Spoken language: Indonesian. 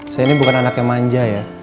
saya ini bukan anak yang manja ya